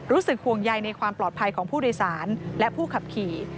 รู้สึกห่วงใยในความปลอดภัยของผู้โดยสารและผู้ขับขี่